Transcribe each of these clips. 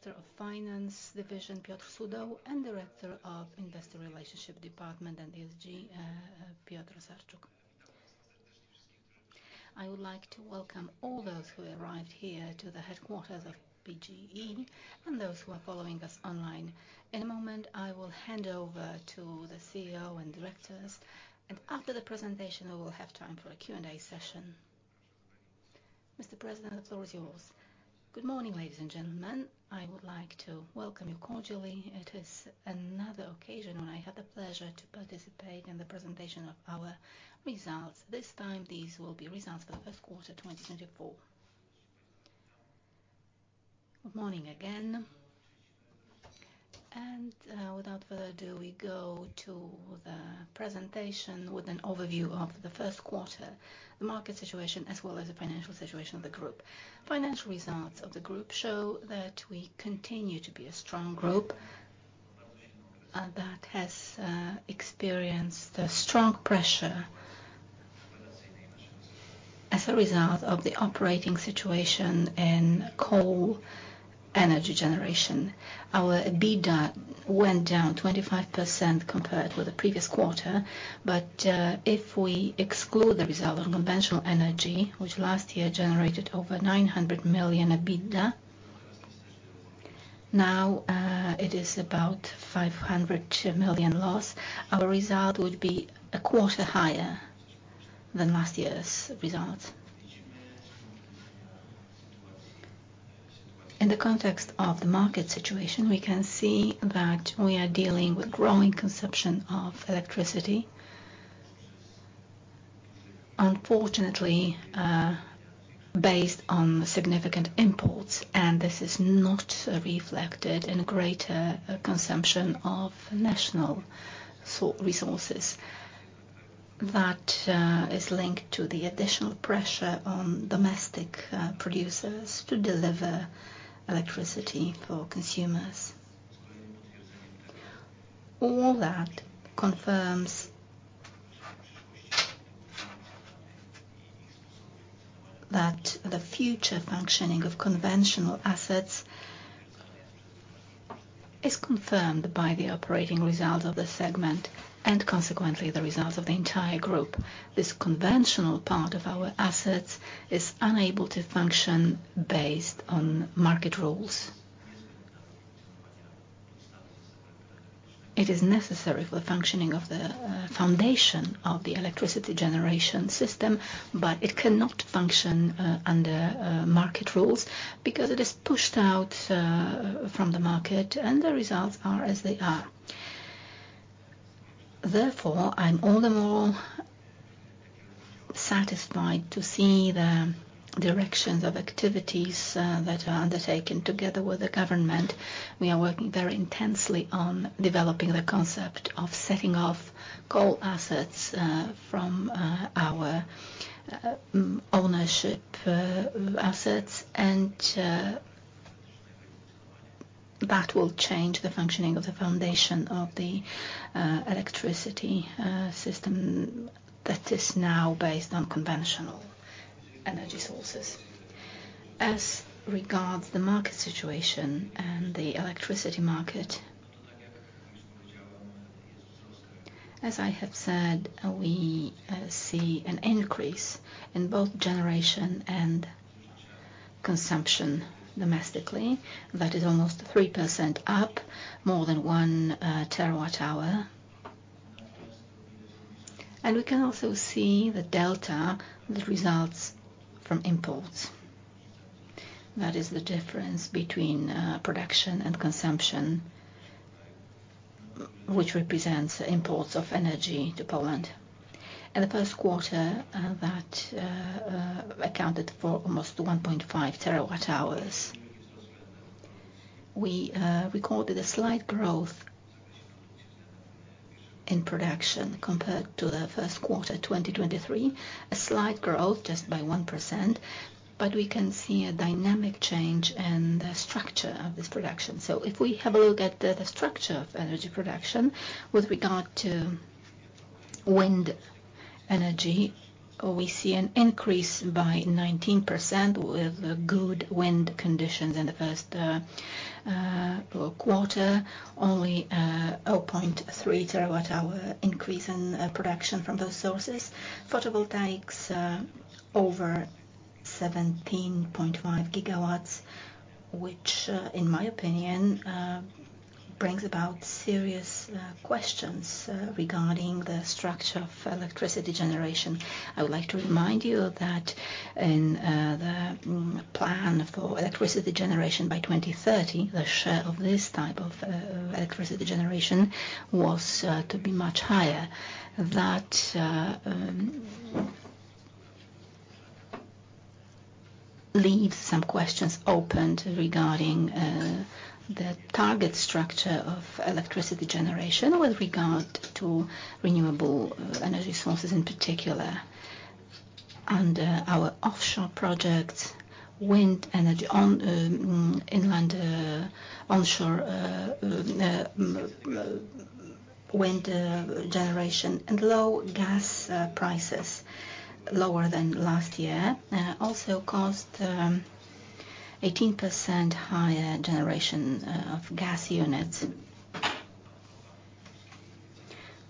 Director of Finance Division, Piotr Sudoł, and Director of Investor Relations and ESG, Piotr Szczucki. I would like to welcome all those who arrived here to the headquarters of PGE, and those who are following us online. In a moment, I will hand over to the CEO and directors, and after the presentation, we will have time for a Q&A session. Mr. President, the floor is yours. Good morning, ladies and gentlemen. I would like to welcome you cordially. It is another occasion when I have the pleasure to participate in the presentation of our results. This time, these will be results for the first quarter 2024. Good morning again, and without further ado, we go to the presentation with an overview of the first quarter, the market situation, as well as the financial situation of the group. Financial results of the group show that we continue to be a strong group that has experienced a strong pressure as a result of the operating situation in coal energy generation. Our EBITDA went down 25% compared with the previous quarter, but if we exclude the result of conventional energy, which last year generated over 900 million EBITDA, now it is about 500 million loss, our result would be a quarter higher than last year's results. In the context of the market situation, we can see that we are dealing with growing consumption of electricity. Unfortunately based on significant imports, and this is not reflected in a greater consumption of national sources. That is linked to the additional pressure on domestic producers to deliver electricity for consumers. All that confirms that the future functioning of conventional assets is confirmed by the operating results of the segment, and consequently, the results of the entire group. This conventional part of our assets is unable to function based on market rules. It is necessary for the functioning of the foundation of the electricity generation system, but it cannot function under market rules because it is pushed out from the market, and the results are as they are. Therefore, I'm all the more satisfied to see the directions of activities that are undertaken together with the government. We are working very intensely on developing the concept of setting off coal assets from our ownership assets, and that will change the functioning of the foundation of the electricity system that is now based on conventional energy sources. As regards the market situation and the electricity market, as I have said, we see an increase in both generation and consumption domestically. That is almost 3% up, more than 1 TWh. And we can also see the delta, the results from imports. That is the difference between production and consumption, which represents imports of energy to Poland. In the first quarter, that accounted for almost 1.5 TWh. We recorded a slight growth in production compared to the first quarter, 2023. A slight growth, just by 1%, but we can see a dynamic change in the structure of this production. So if we have a look at the structure of energy production with regard to wind energy, we see an increase by 19% with good wind conditions in the first quarter. Only, 0.3 TWh increase in production from those sources. Photovoltaics over 17.5 GW, which, in my opinion, brings about serious questions regarding the structure of electricity generation. I would like to remind you that in the plan for electricity generation by 2030, the share of this type of electricity generation was to be much higher. That leaves some questions open regarding the target structure of electricity generation with regard to renewable energy sources, in particular, and our offshore projects, wind energy on inland onshore wind generation and low gas prices.... lower than last year also caused 18% higher generation of gas units.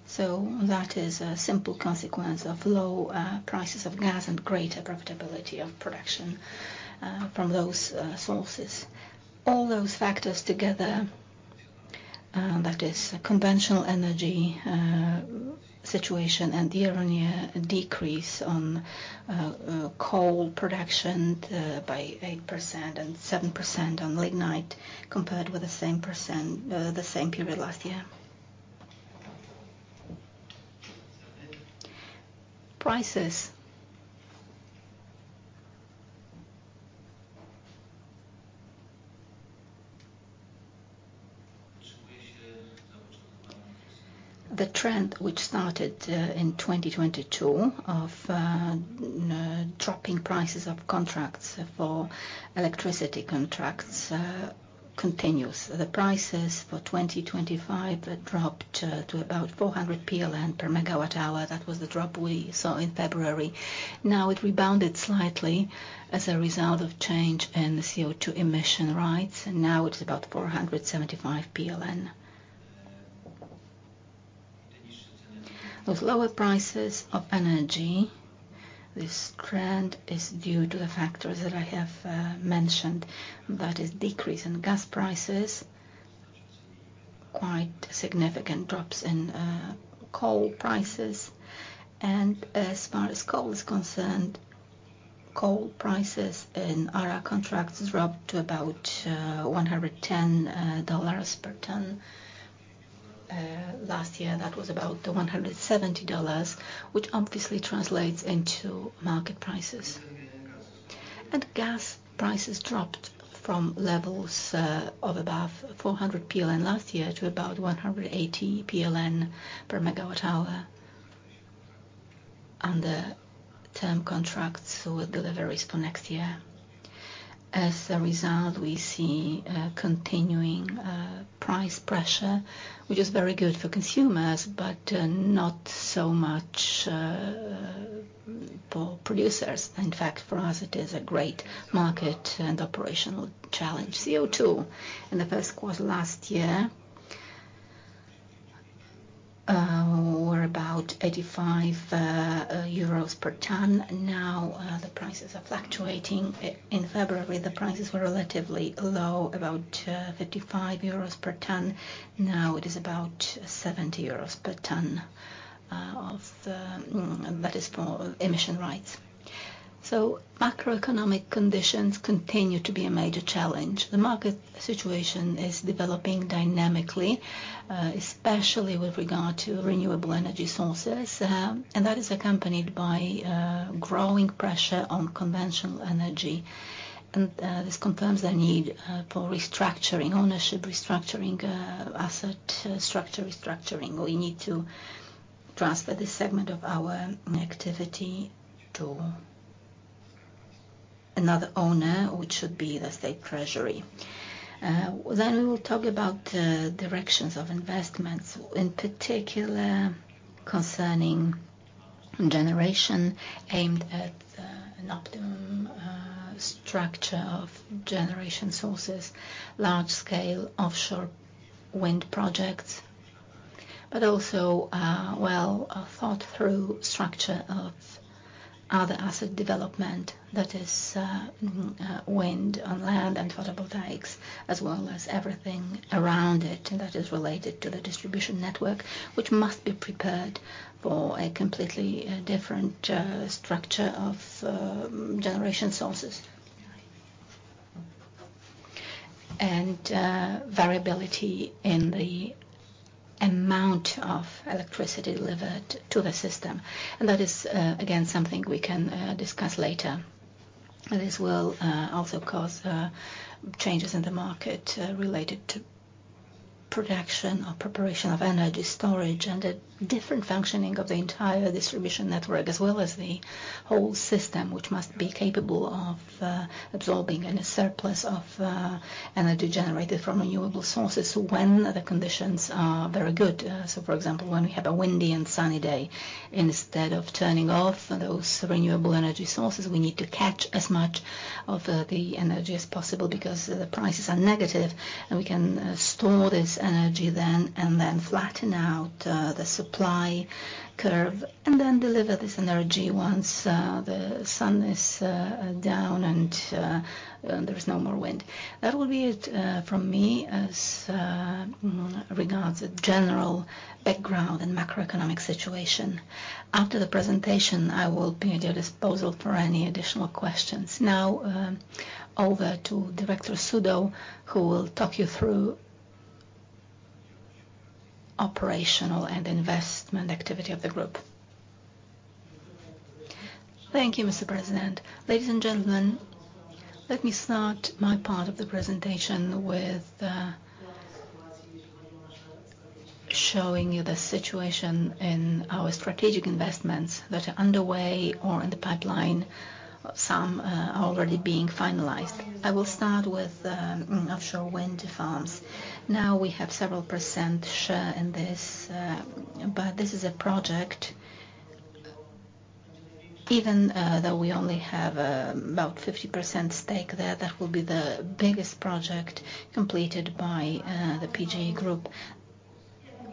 So that is a simple consequence of low prices of gas and greater profitability of production from those sources. All those factors together, that is conventional energy situation, and year-on-year decrease on coal production by 8% and 7% on lignite, compared with the same percent, the same period last year. Prices. The trend which started in 2022 of dropping prices of contracts for electricity contracts continues. The prices for 2025 dropped to about 400 PLN per MWh. That was the drop we saw in February. Now, it rebounded slightly as a result of change in the CO2 emission rights, and now it's about 475 PLN. Those lower prices of energy, this trend is due to the factors that I have mentioned. That is decrease in gas prices, quite significant drops in coal prices, and as far as coal is concerned, coal prices in our contracts dropped to about $110 per ton. Last year, that was about $170, which obviously translates into market prices. Gas prices dropped from levels of above 400 PLN last year to about 180 PLN per MWh on the term contracts with deliveries for next year. As a result, we see continuing price pressure, which is very good for consumers, but not so much for producers. In fact, for us, it is a great market and operational challenge. CO2 in the first quarter last year were about 85 euros per ton. Now the prices are fluctuating. In February, the prices were relatively low, about 55 euros per ton. Now it is about 70 euros per ton, that is for emission rights. So macroeconomic conditions continue to be a major challenge. The market situation is developing dynamically, especially with regard to renewable energy sources. And that is accompanied by growing pressure on conventional energy, and this confirms the need for restructuring, ownership restructuring, asset structure restructuring. We need to transfer this segment of our activity to another owner, which should be the State Treasury. Then we will talk about directions of investments, in particular concerning generation aimed at an optimum structure of generation sources, large scale offshore wind projects, but also, well, thought through structure of other asset development that is wind on land and photovoltaics, as well as everything around it, and that is related to the distribution network, which must be prepared for a completely different structure of generation sources. And variability in the amount of electricity delivered to the system, and that is again something we can discuss later. This will also cause changes in the market related to production or preparation of energy storage, and a different functioning of the entire distribution network, as well as the whole system, which must be capable of absorbing any surplus of energy generated from renewable sources when the conditions are very good. So for example, when we have a windy and sunny day, instead of turning off those renewable energy sources, we need to catch as much of the energy as possible because the prices are negative, and we can store this energy then, and then flatten out the supply curve and then deliver this energy once the sun is down, and there is no more wind. That will be it from me as regards the general background and macroeconomic situation. After the presentation, I will be at your disposal for any additional questions. Now, over to Director Sudoł, who will talk you through operational and investment activity of the group. Thank you, Mr. President. Ladies and gentlemen, let me start my part of the presentation with showing you the situation in our strategic investments that are underway or in the pipeline.... Some are already being finalized. I will start with offshore wind farms. Now, we have several percent share in this, but this is a project, even though we only have about 50% stake there, that will be the biggest project completed by the PGE Group.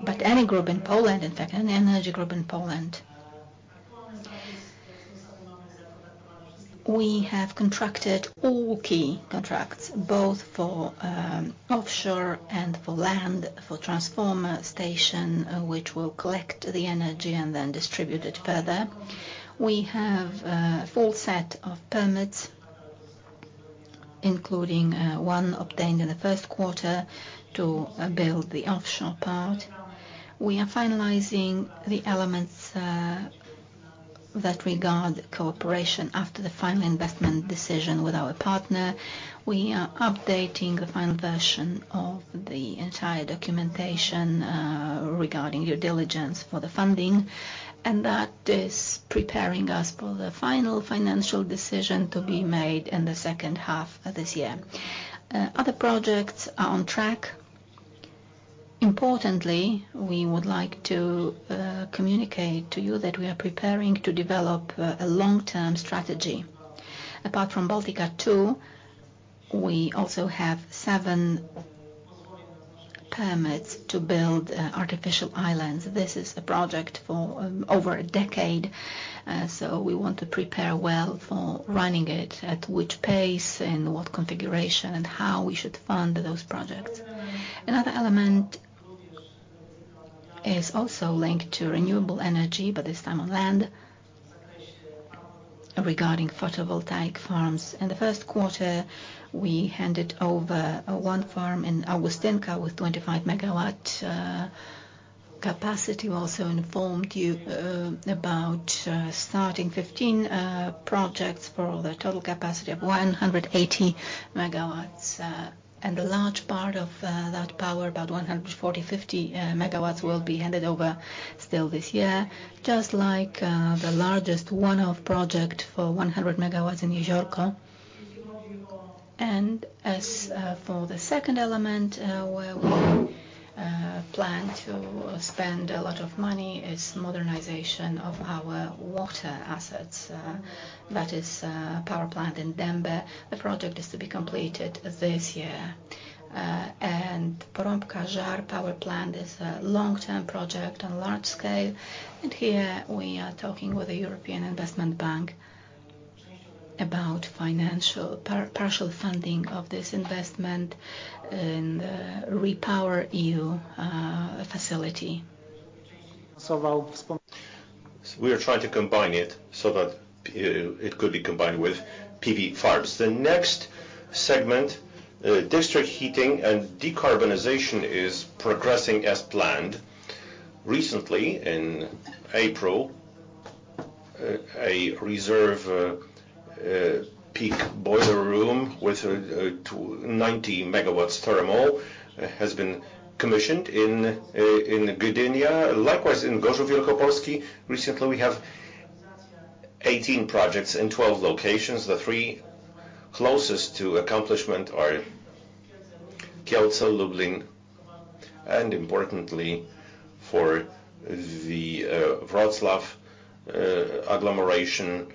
But any group in Poland, in fact, any energy group in Poland, we have contracted all key contracts, both for offshore and for land, for transformer station, which will collect the energy and then distribute it further. We have a full set of permits, including one obtained in the first quarter to build the offshore part. We are finalizing the elements that regard cooperation after the final investment decision with our partner. We are updating the final version of the entire documentation, regarding due diligence for the funding, and that is preparing us for the final financial decision to be made in the second half of this year. Other projects are on track. Importantly, we would like to communicate to you that we are preparing to develop a long-term strategy. Apart from Baltica 2, we also have seven permits to build artificial islands. This is a project for over a decade, so we want to prepare well for running it, at which pace and what configuration, and how we should fund those projects. Another element is also linked to renewable energy, but this time on land, regarding photovoltaic farms. In the first quarter, we handed over one farm in Augustynka with 25 MW capacity. We also informed you about starting 15 projects for the total capacity of 180 MW. A large part of that power, about 140 MW-150 MW, will be handed over still this year, just like the largest one-off project for 100 MW in Jeziórko. As for the second element where we plan to spend a lot of money, is modernization of our water assets, that is power plant in Dębe. The project is to be completed this year. Porąbka-Żar Power Plant is a long-term project on a large scale, and here we are talking with the European Investment Bank about financial partial funding of this investment in the REPowerEU facility. We are trying to combine it so that it could be combined with PV farms. The next segment, district heating and decarbonization, is progressing as planned. Recently, in April, a reserve peak boiler room with 90 MW thermal has been commissioned in Gdynia. Likewise, in Gorzów Wielkopolski, recently we have 18 projects in 12 locations. The three closest to accomplishment are Kielce, Lublin, and importantly, for the Wrocław agglomeration,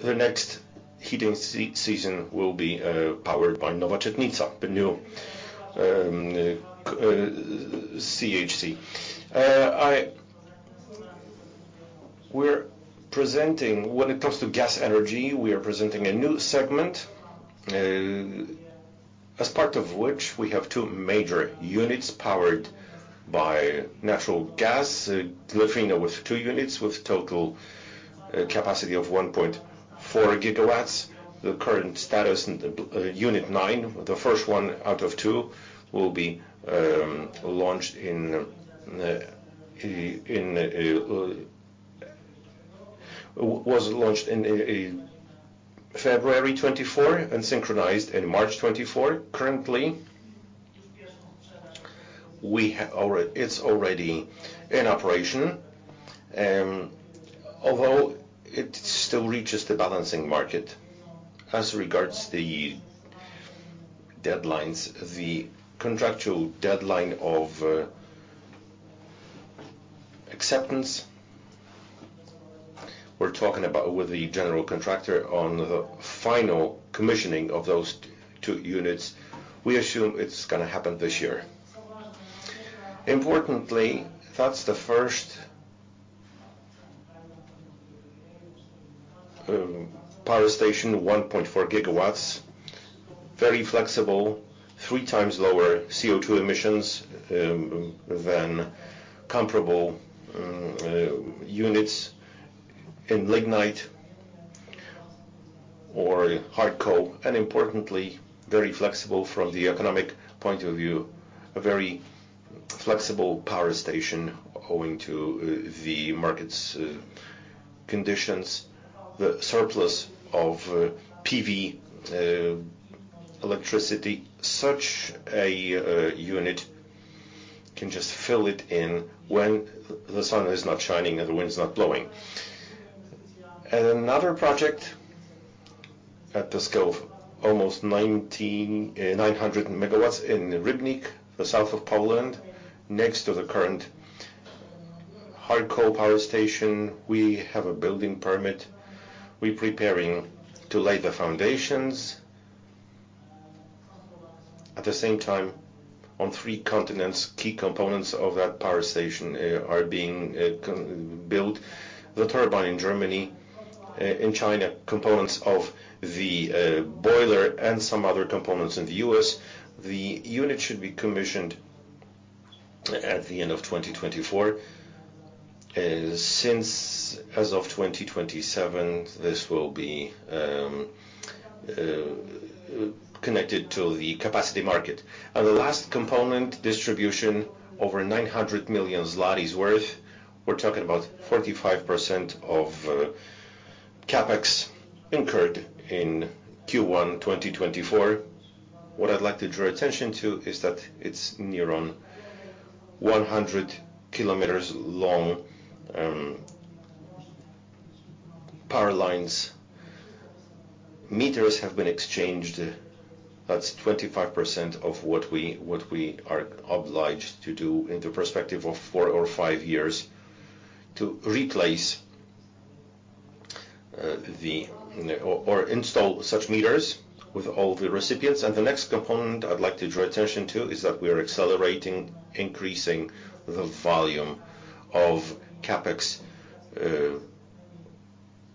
the next heating season will be powered by Nowa Czechnica, the new CHP. We're presenting... When it comes to gas energy, we are presenting a new segment, as part of which we have two major units powered by natural gas. Gryfino with two units, with total capacity of 1.4 GW. The current status in the Unit 9, the first one out of two, was launched in February 2024 and synchronized in March 2024. Currently, it's already in operation, although it still reaches the balancing market. As regards the deadlines, the contractual deadline of acceptance, we're talking about with the general contractor on the final commissioning of those two units. We assume it's gonna happen this year. Importantly, that's the first power station, 1.4 GW, very flexible, three times lower CO2 emissions than comparable units in lignite or hard coal, and importantly, very flexible from the economic point of view, a very flexible power station owing to the market's conditions, the surplus of PV electricity. Such a unit, can just fill it in when the sun is not shining and the wind is not blowing. And another project at the scale of almost 900 MW in Rybnik, the south of Poland, next to the current hard coal power station, we have a building permit. We're preparing to lay the foundations. At the same time, on three continents, key components of that power station are being built. The turbine in Germany, in China, components of the boiler and some other components in the U.S. The unit should be commissioned at the end of 2024. Since as of 2027, this will be connected to the capacity market. And the last component, distribution, over 900 million zlotys worth. We're talking about 45% of CapEx incurred in Q1 2024. What I'd like to draw attention to is that it's near on 100 km long, power lines. Meters have been exchanged. That's 25% of what we, what we are obliged to do in the perspective of four or five years to replace, or, or install such meters with all the recipients. And the next component I'd like to draw attention to is that we are accelerating, increasing the volume of CapEx,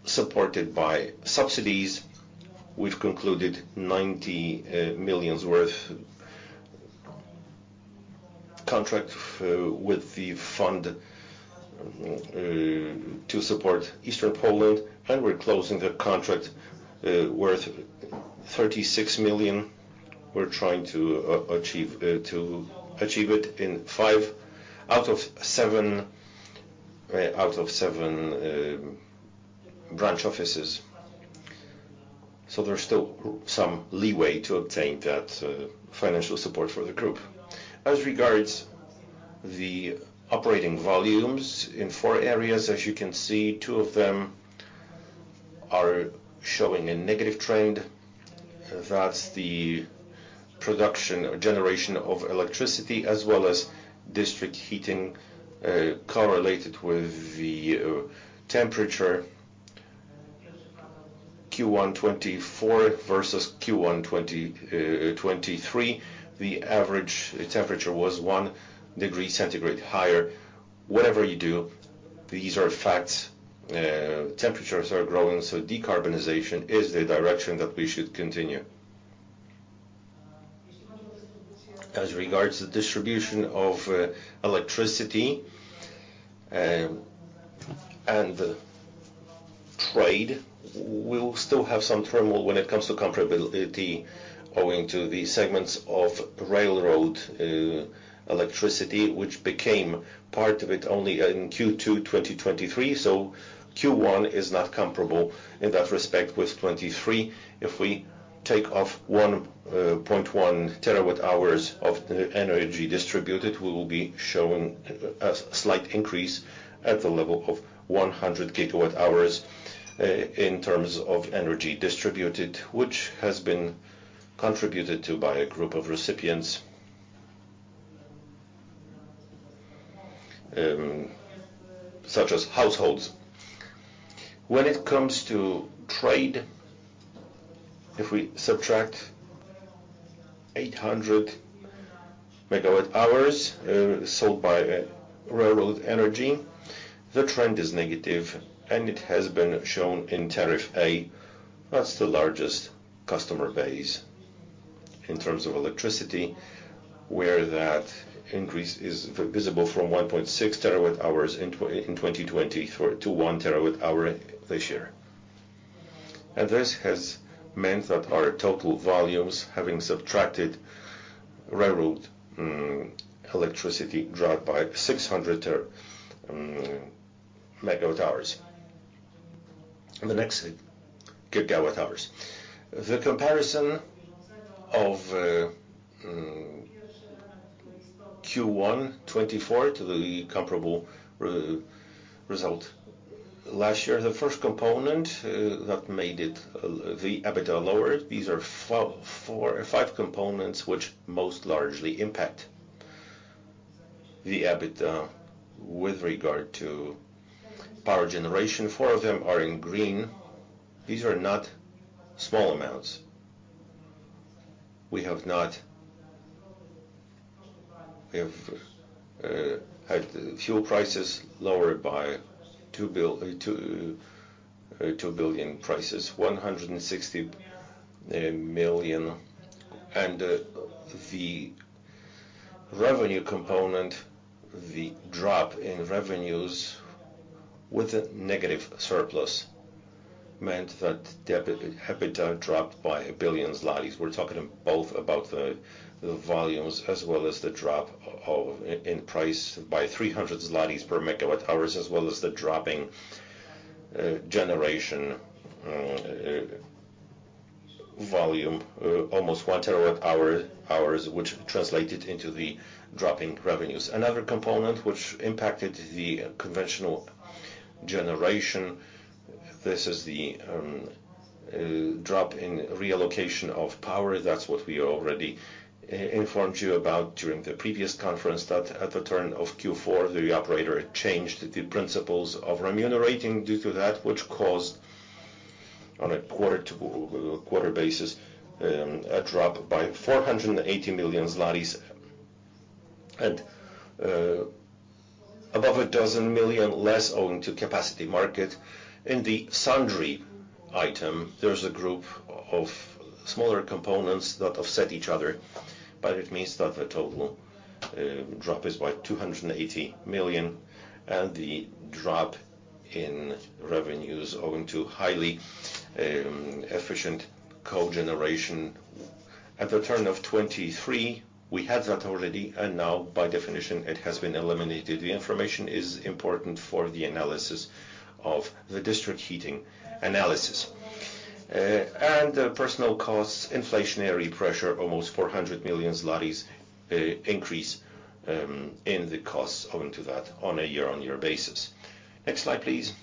supported by subsidies. We've concluded PLN 90 million worth contract with the fund to support eastern Poland, and we're closing a contract worth 36 million. We're trying to achieve, to achieve it in five out of seven, out of seven, branch offices. So there's still some leeway to obtain that financial support for the group. As regards the operating volumes in four areas, as you can see, two of them are showing a negative trend. That's the production or generation of electricity, as well as district heating, correlated with the temperature. Q1 2024 versus Q1 2023, the average temperature was one degree centigrade higher. Whatever you do, these are facts. Temperatures are growing, so decarbonization is the direction that we should continue. As regards to distribution of, electricity, and trade, we'll still have some turmoil when it comes to comparability, owing to the segments of railroad electricity, which became part of it only in Q2 2023. So Q1 is not comparable in that respect with 2023. If we take off 1.1 TWh of the energy distributed, we will be showing a slight increase at the level of 100 GWh in terms of energy distributed, which has been contributed to by a group of recipients such as households. When it comes to trade, if we subtract 800 MWh sold by railroad energy, the trend is negative, and it has been shown in Tariff A. That's the largest customer base in terms of electricity, where that increase is visible from 1.6 TWh in 2020 to 1 TWh this year. And this has meant that our total volumes, having subtracted railroad electricity, dropped by 600 MWh. The next GWh. The comparison of Q1 2024 to the comparable result last year, the first component that made it the EBITDA lower, these are four or five components which most largely impact the EBITDA with regard to power generation. Four of them are in green. These are not small amounts. We have had fuel prices lowered by 2.16 billion. And the revenue component, the drop in revenues with a negative surplus, meant that the EBITDA dropped by 1 billion. We're talking both about the volumes as well as the drop in price by 300 zlotys per MWh, as well as the dropping generation volume almost 1 TWh, which translated into the drop in revenues. Another component which impacted the conventional generation, this is the drop in reallocation of power. That's what we already informed you about during the previous conference, that at the turn of Q4, the operator changed the principles of remuneration due to that, which caused on a quarter-over-quarter basis a drop by 480 million zlotys. And above 12 million less owing to Capacity Market. In the sundry item, there's a group of smaller components that offset each other, but it means that the total drop is by 280 million, and the drop in revenues owing to highly efficient cogeneration. At the turn of 2023, we had that already, and now by definition, it has been eliminated. The information is important for the analysis of the district heating analysis. And personal costs, inflationary pressure, almost 400 million zlotys increase in the costs owing to that on a year-on-year basis. Next slide, please.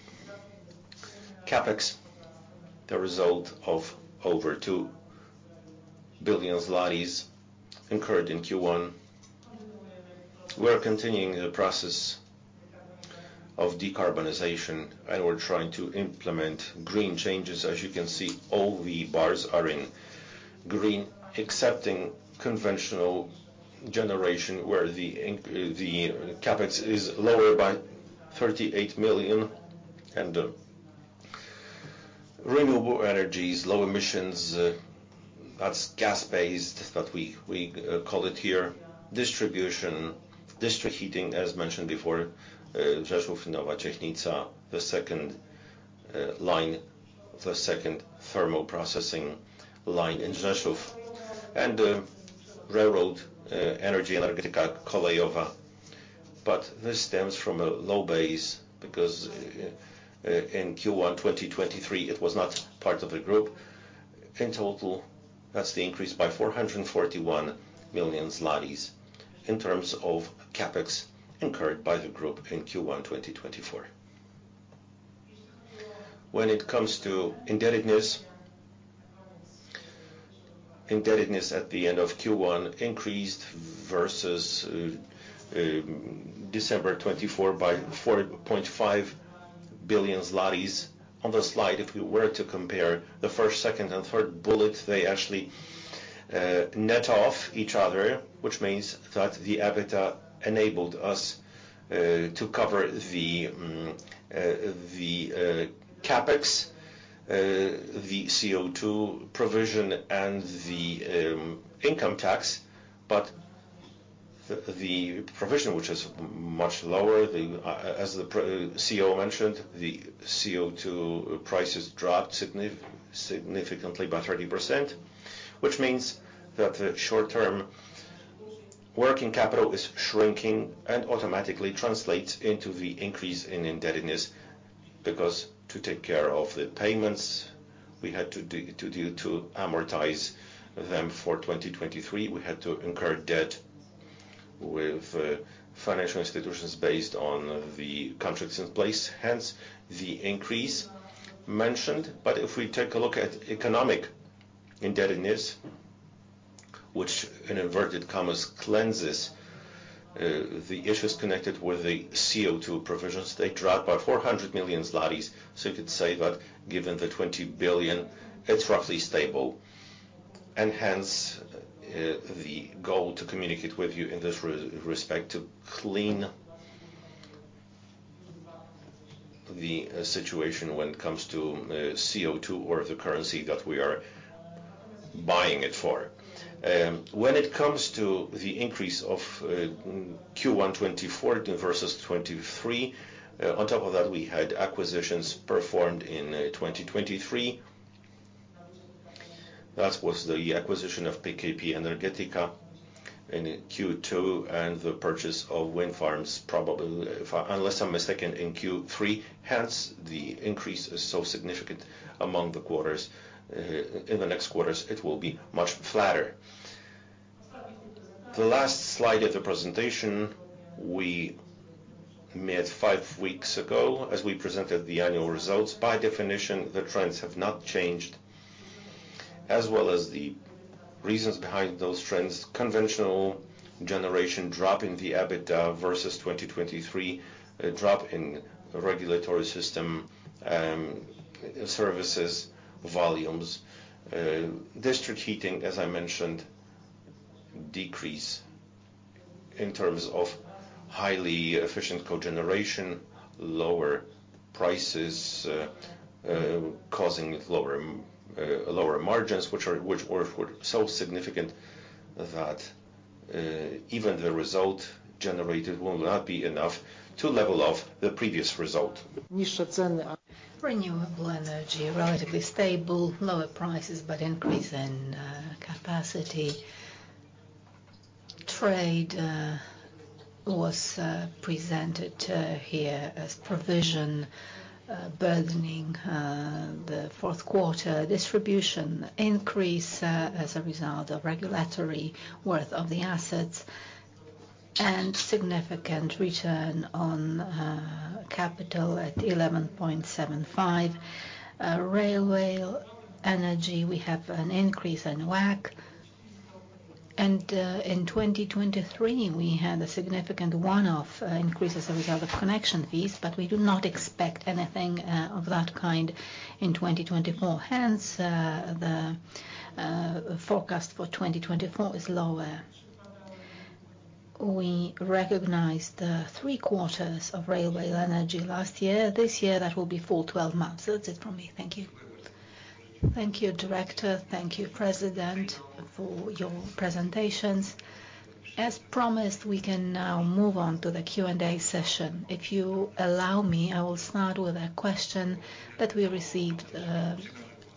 CapEx, the result of over 2 billion zlotys incurred in Q1. We're continuing the process of decarbonization, and we're trying to implement green changes. As you can see, all the bars are in green, excepting conventional generation, where the CapEx is lower by 38 million. And renewable energies, low emissions, that's gas-based, but we call it here distribution. District heating, as mentioned before, Rzeszów, Nowa Czechnica, the second line... the second thermal processing line in Rzeszów. And railroad energy, Energetyka Kolejowa. But this stems from a low base because in Q1, 2023, it was not part of the group. In total, that's the increase by 441 million zlotys in terms of CapEx incurred by the group in Q1, 2024. When it comes to indebtedness, indebtedness at the end of Q1 increased versus December 2024 by 4.5 billion. On the slide, if we were to compare the first, second, and third bullet, they actually net off each other, which means that the EBITDA enabled us to cover the CapEx, the CO2 provision, and the income tax. But the provision, which is much lower, as the President CEO mentioned, the CO2 prices dropped significantly by 30%, which means that the short-term working capital is shrinking and automatically translates into the increase in indebtedness. Because to take care of the payments, we had to deal to amortize them for 2023. We had to incur debt with, financial institutions based on the contracts in place, hence, the increase mentioned. But if we take a look at economic indebtedness, which in inverted commas, cleanses, the issues connected with the CO2 provisions, they dropped by 400 million zlotys. So you could say that given the 20 billion, it's roughly stable, and hence, the goal to communicate with you in this respect, to clean the situation when it comes to, CO2 or the currency that we are buying it for. When it comes to the increase of, Q1 2024 versus 2023, on top of that, we had acquisitions performed in, 2023. That was the acquisition of PKP Energetyka in Q2, and the purchase of wind farms, probably, unless I'm mistaken, in Q3, hence, the increase is so significant among the quarters. In the next quarters, it will be much flatter. The last slide of the presentation, we met five weeks ago, as we presented the annual results. By definition, the trends have not changed, as well as the reasons behind those trends. Conventional generation drop in the EBITDA versus 2023, a drop in regulatory system services volumes. District heating, as I mentioned, decrease in terms of highly efficient cogeneration, lower prices, causing lower margins, which were so significant that even the result generated will not be enough to level off the previous result. Renewable energy, relatively stable, lower prices, but increase in capacity trade was presented here as provision burdening the fourth quarter distribution increase as a result of regulatory worth of the assets and significant return on capital at 11.75%. Railway energy, we have an increase in WACC. In 2023, we had a significant one-off increase as a result of connection fees, but we do not expect anything of that kind in 2024, hence the forecast for 2024 is lower. We recognized three quarters of railway energy last year. This year, that will be full 12 months. So that's it from me. Thank you. Thank you, Director. Thank you, President, for your presentations. As promised, we can now move on to the Q&A session. If you allow me, I will start with a question that we received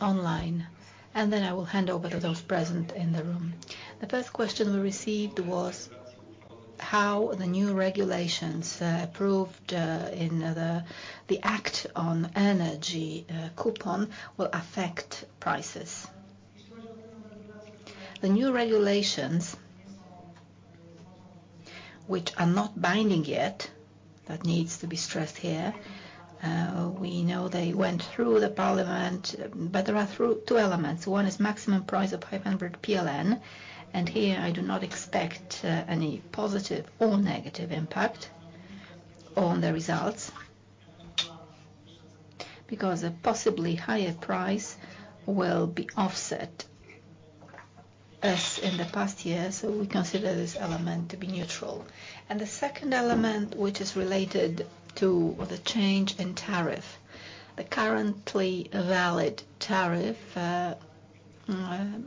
online, and then I will hand over to those present in the room. The first question we received was, how the new regulations approved in the Act on Energy Coupon will affect prices? The new regulations, which are not binding yet, that needs to be stressed here, we know they went through the parliament, but there are two elements. One is maximum price of 500 PLN, and here I do not expect any positive or negative impact on the results, because a possibly higher price will be offset, as in the past year, so we consider this element to be neutral. The second element, which is related to the change in tariff. The currently valid tariff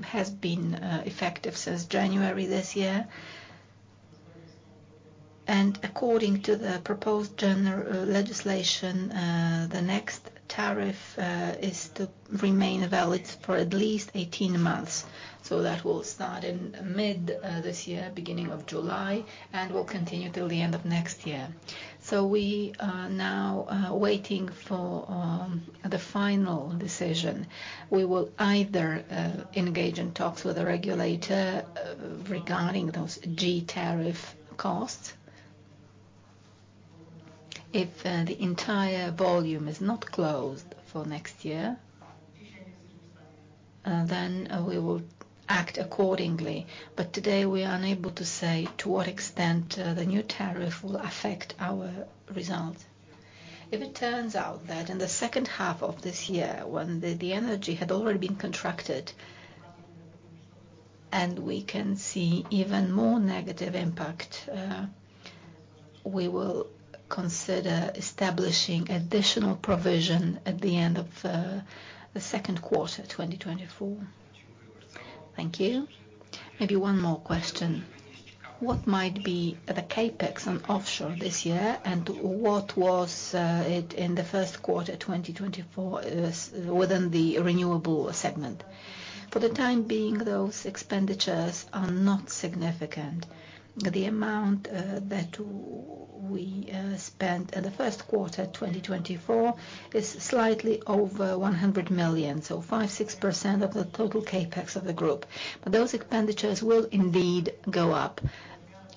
has been effective since January this year. According to the proposed general legislation, the next tariff is to remain valid for at least 18 months. That will start in mid this year, beginning of July, and will continue till the end of next year. We are now waiting for the final decision. We will either engage in talks with the regulator regarding those G tariff costs. If the entire volume is not closed for next year, then we will act accordingly. But today, we are unable to say to what extent the new tariff will affect our results. If it turns out that in the second half of this year, when the energy had already been contracted and we can see even more negative impact, we will consider establishing additional provision at the end of the second quarter, 2024. Thank you. Maybe one more question: What might be the CapEx on offshore this year, and what was it in the first quarter, 2024, within the renewable segment? For the time being, those expenditures are not significant. The amount that we spent in the first quarter, 2024, is slightly over 100 million, so 5%-6% of the total CapEx of the group. But those expenditures will indeed go up.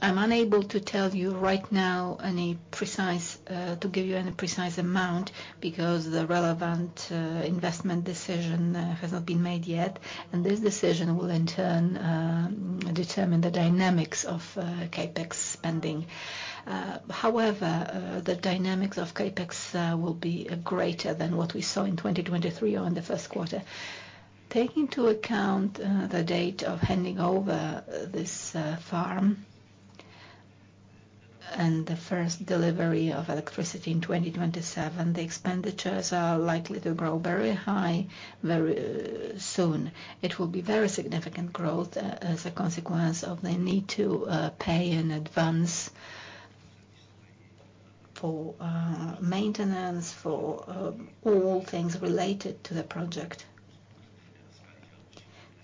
I'm unable to tell you right now any precise to give you any precise amount, because the relevant investment decision has not been made yet, and this decision will, in turn, determine the dynamics of CapEx spending. However, the dynamics of CapEx will be greater than what we saw in 2023 or in the first quarter. Taking into account the date of handing over this farm and the first delivery of electricity in 2027, the expenditures are likely to grow very high very soon. It will be very significant growth as a consequence of the need to pay in advance for maintenance for all things related to the project.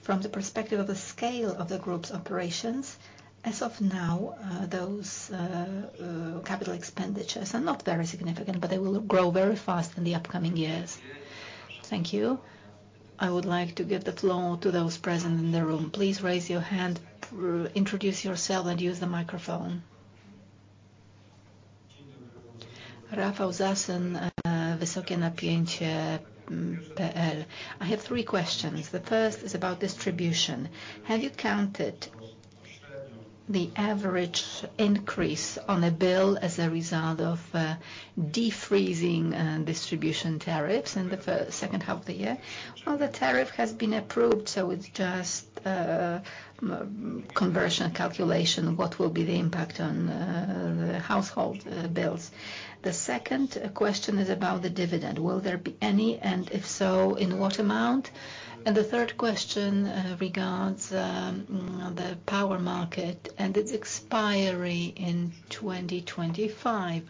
From the perspective of the scale of the group's operations, as of now, those capital expenditures are not very significant, but they will grow very fast in the upcoming years. Thank you. I would like to give the floor to those present in the room. Please raise your hand, introduce yourself and use the microphone.... Rafał Zasuń with WysokieNapiecie.pl. I have three questions. The first is about distribution. Have you counted the average increase on a bill as a result of de-freezing distribution tariffs in the second half of the year? Well, the tariff has been approved, so it's just conversion calculation, what will be the impact on the household bills. The second question is about the dividend. Will there be any, and if so, in what amount? The third question regards the power market and its expiry in 2025.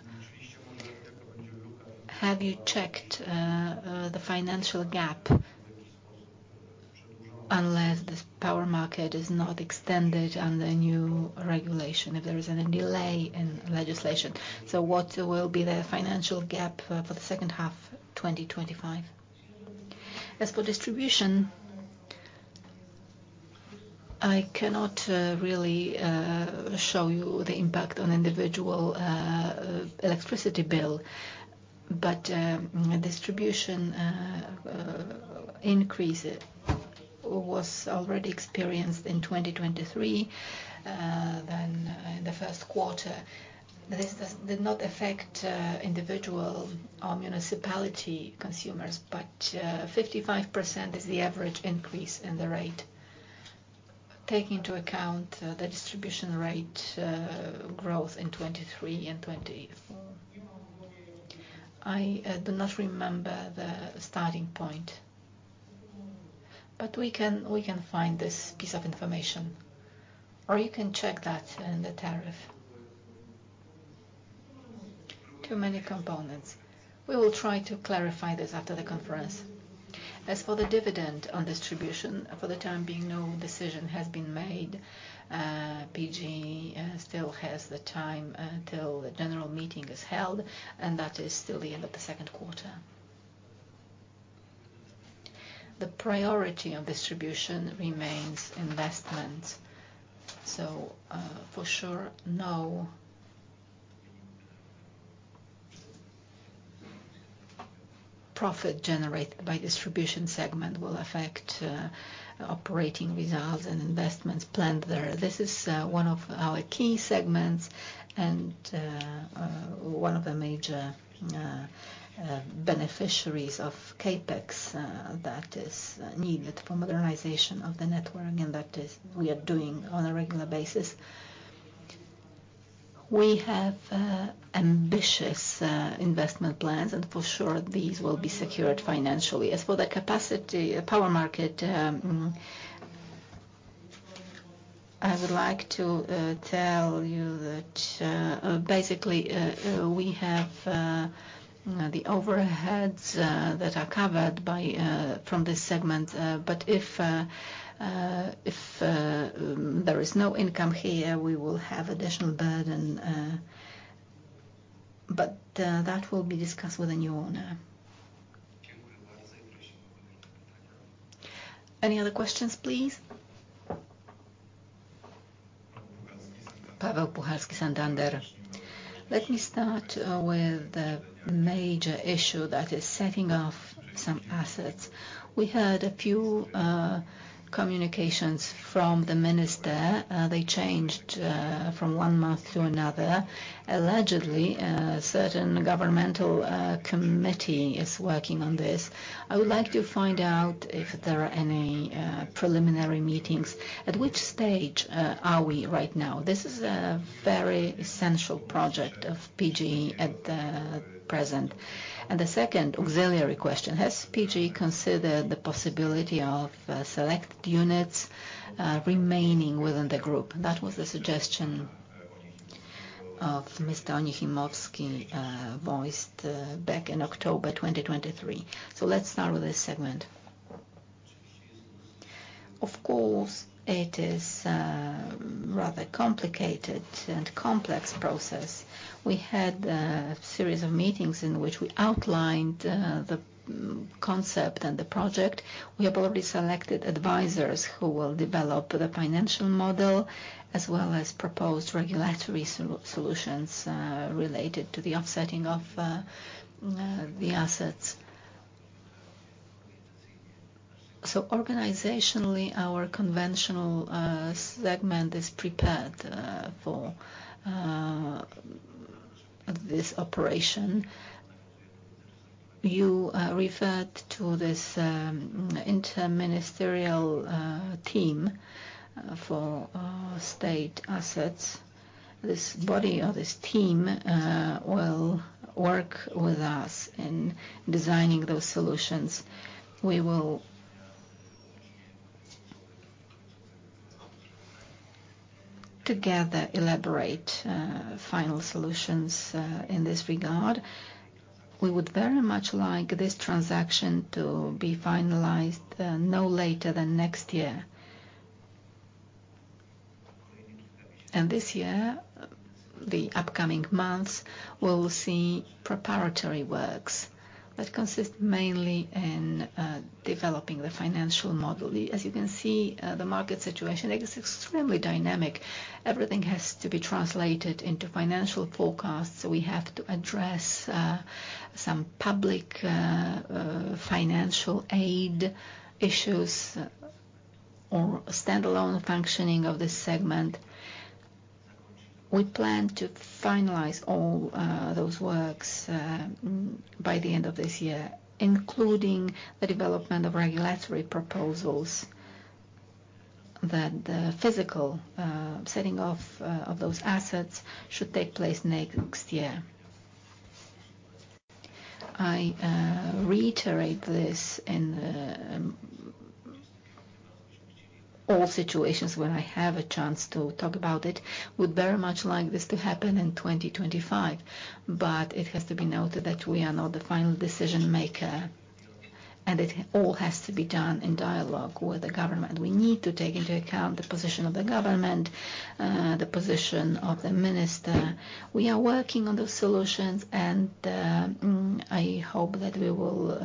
Have you checked the financial gap, unless this power market is not extended under the new regulation, if there is any delay in legislation? So what will be the financial gap for the second half, 2025? As for distribution, I cannot really show you the impact on individual electricity bill, but distribution increase was already experienced in 2023 than in the first quarter. This does- did not affect individual or municipality consumers, but 55% is the average increase in the rate. Taking into account the distribution rate growth in 2023 and 2022... I do not remember the starting point, but we can find this piece of information, or you can check that in the tariff. Too many components. We will try to clarify this after the conference. As for the dividend on distribution, for the time being, no decision has been made. PGE still has the time till the general meeting is held, and that is still the end of the second quarter. The priority of distribution remains investments, so, for sure, no profit generated by distribution segment will affect operating results and investments planned there. This is one of our key segments and one of the major beneficiaries of CapEx that is needed for modernization of the network, and that is we are doing on a regular basis. We have ambitious investment plans, and for sure, these will be secured financially. As for the capacity power market, I would like to tell you that, basically, we have the overheads that are covered by from this segment, but if there is no income here, we will have additional burden, but that will be discussed with the new owner. Any other questions, please? Paweł Puchalski, Santander. Let me start with the major issue that is setting off some assets. We had a few communications from the minister. They changed from one month to another. Allegedly, a certain governmental committee is working on this. I would like to find out if there are any preliminary meetings. At which stage are we right now? This is a very essential project of PGE at the present. And the second auxiliary question: Has PGE considered the possibility of select units remaining within the group? That was the suggestion of Mr. Onichimowski voiced back in October 2023. So let's start with this segment. Of course, it is rather complicated and complex process. We had a series of meetings in which we outlined the concept and the project. We have already selected advisors who will develop the financial model, as well as proposed regulatory solutions, related to the offsetting of the assets. So organizationally, our conventional segment is prepared for this operation. You referred to this interministerial team for state assets. This body or this team will work with us in designing those solutions. We will, together, elaborate final solutions in this regard. We would very much like this transaction to be finalized no later than next year. And this year, the upcoming months, we'll see preparatory works that consist mainly in developing the financial model. As you can see, the market situation is extremely dynamic. Everything has to be translated into financial forecasts. We have to address some public financial aid issues or standalone functioning of this segment. We plan to finalize all those works by the end of this year, including the development of regulatory proposals that the physical setting off of those assets should take place next year. I reiterate this in the- ... all situations where I have a chance to talk about it, would very much like this to happen in 2025. But it has to be noted that we are not the final decision maker, and it all has to be done in dialogue with the government. We need to take into account the position of the government, the position of the minister. We are working on those solutions, and I hope that we will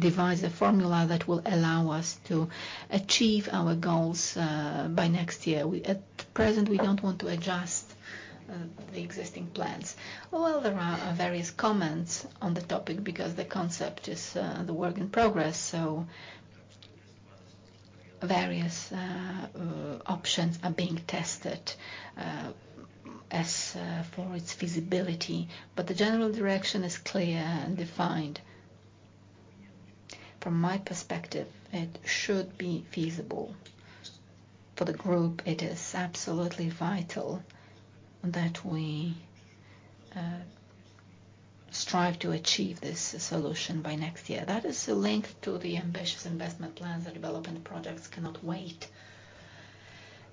devise a formula that will allow us to achieve our goals by next year. At present, we don't want to adjust the existing plans. Well, there are various comments on the topic because the concept is the work in progress, so various options are being tested as for its feasibility. But the general direction is clear and defined. From my perspective, it should be feasible. For the group, it is absolutely vital that we strive to achieve this solution by next year. That is linked to the ambitious investment plans. The development projects cannot wait,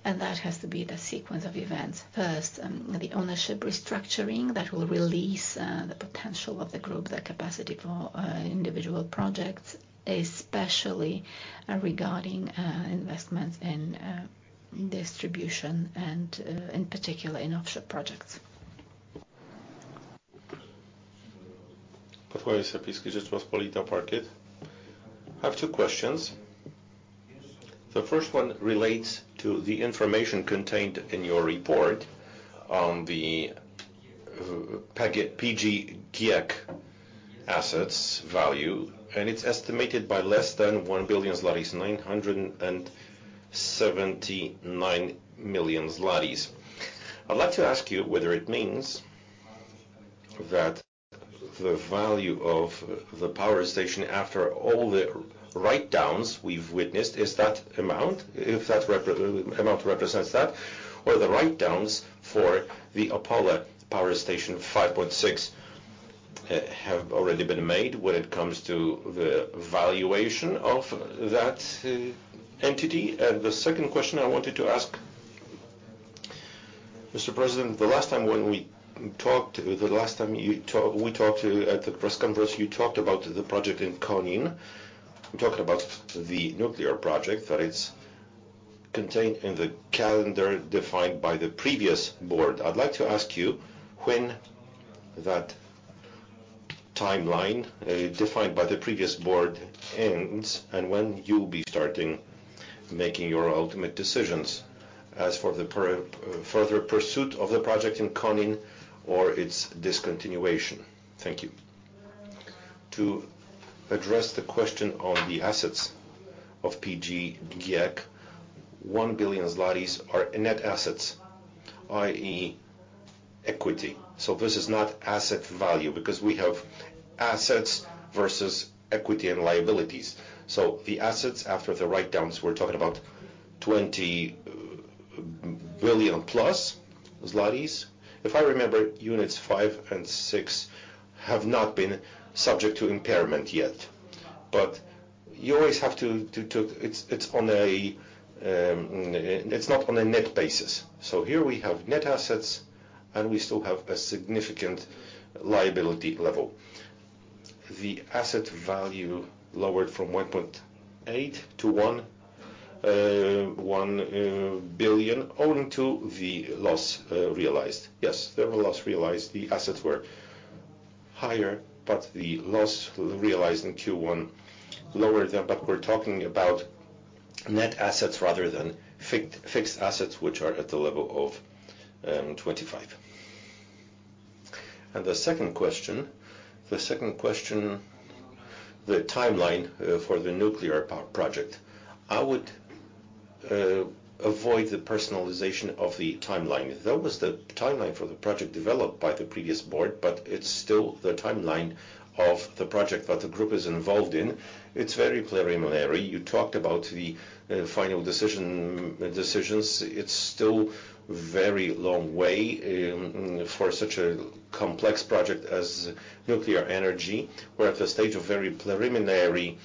and that has to be the sequence of events. First, the ownership restructuring that will release the potential of the group, the capacity for individual projects, especially regarding investments in distribution and, in particular, in offshore projects. Bartłomiej Sawicki, Rzeczpospolita / Parkiet. I have two questions. The first one relates to the information contained in your report on the PGE GiEK assets value, and it's estimated at less than 1 billion zlotys, 979 million. I'd like to ask you whether it means that the value of the power station, after all the write-downs we've witnessed, is that amount, if that repre- amount represents that, or the write-downs for the Opole Power Station, 5.6, have already been made when it comes to the valuation of that entity? And the second question I wanted to ask, Mr. President, the last time when we talked, the last time you talk... we talked at the press conference, you talked about the project in Konin. We talked about the nuclear project, that it's contained in the calendar defined by the previous board. I'd like to ask you, when that timeline defined by the previous board ends, and when you'll be starting making your ultimate decisions as for the further pursuit of the project in Konin or its discontinuation? Thank you. To address the question on the assets of PGE GiEK, 1 billion zlotys are net assets, i.e., equity. So this is not asset value, because we have assets versus equity and liabilities. So the assets after the write-downs, we're talking about 20 billion zlotys+. If I remember, Units 5 and 6 have not been subject to impairment yet. But you always have to... It's not on a net basis. So here we have net assets, and we still have a significant liability level. The asset value lowered from 1.8 billion to 1 billion, owing to the losses realized. Yes, there were losses realized. The assets were higher, but the losses realized in Q1 lowered them. But we're talking about net assets rather than fixed assets, which are at the level of 25 billion. The second question, the timeline for the nuclear power project. I would avoid the personalization of the timeline. There was the timeline for the project developed by the previous board, but it's still the timeline of the project that the group is involved in. It's very preliminary. You talked about the final decision, decisions. It's still very long way for such a complex project as nuclear energy. We're at the stage of very preliminary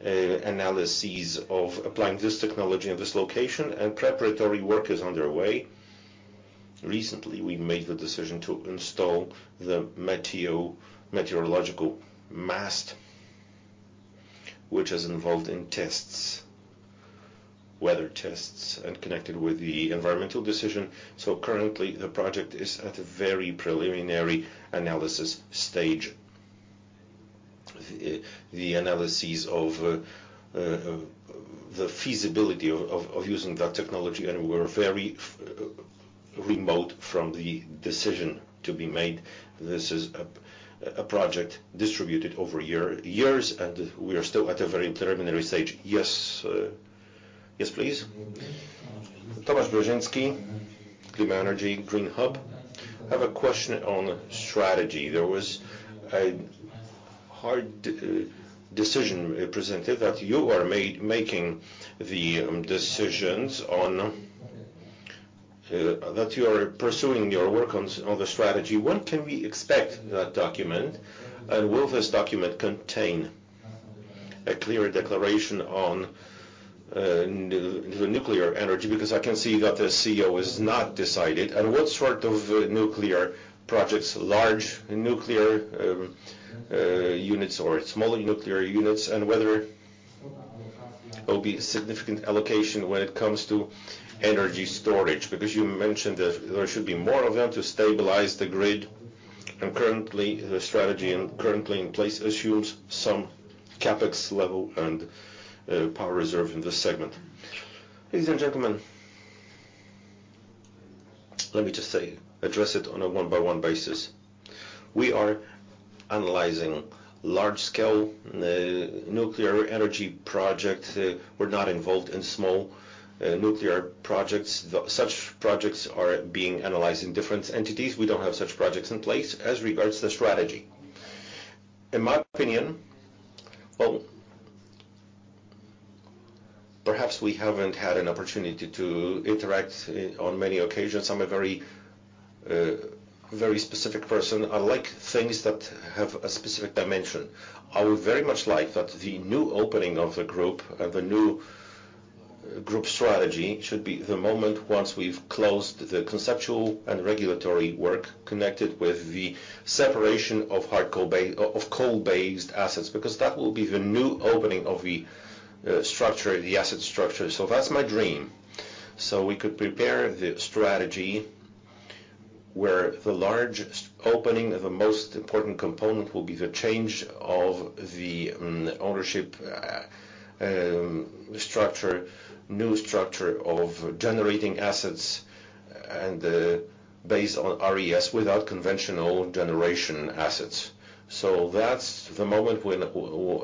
analyses of applying this technology in this location, and preparatory work is underway. Recently, we made the decision to install the meteorological mast, which is involved in tests, weather tests, and connected with the environmental decision. So currently, the project is at a very preliminary analysis stage. The analyses of the feasibility of using that technology, and we're very remote from the decision to be made. This is a project distributed over years, and we are still at a very preliminary stage. Yes. Yes, please. Tomasz Brzeziński, Clean Energy Green Hub. I have a question on strategy. There was a hard decision presented, that you are making the decisions on... that you are pursuing your work on, on the strategy. When can we expect that document? And will this document contain a clear declaration on, the, the nuclear energy? Because I can see that the CEO is not decided. And what sort of nuclear projects, large nuclear units or smaller nuclear units, and whether there will be a significant allocation when it comes to energy storage? Because you mentioned that there should be more of them to stabilize the grid, and currently, the strategy and currently in place assumes some CapEx level and, power reserve in this segment. Ladies and gentlemen, let me just say, address it on a one-by-one basis. We are analyzing large-scale nuclear energy projects. We're not involved in small nuclear projects. Such projects are being analyzed in different entities. We don't have such projects in place as regards to the strategy. In my opinion, well, perhaps we haven't had an opportunity to interact on many occasions. I'm a very specific person. I like things that have a specific dimension. I would very much like that the new opening of the group, the new group strategy, should be the moment once we've closed the conceptual and regulatory work connected with the separation of hard coal of, of coal-based assets, because that will be the new opening of the, structure, the asset structure. So that's my dream. So we could prepare the strategy where the large opening of the most important component will be the change of the ownership structure, new structure of generating assets and based on RES without conventional generation assets. So that's the moment when